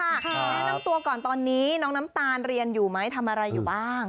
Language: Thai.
แนะนำตัวก่อนตอนนี้น้องน้ำตาลเรียนอยู่ไหมทำอะไรอยู่บ้าง